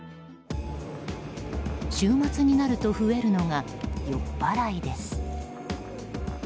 週末になると増えるのが酔っ払いです。